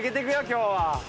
今日は。